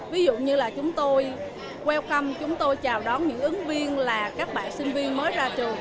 ví dụ như là chúng tôi queo căm chúng tôi chào đón những ứng viên là các bạn sinh viên mới ra trường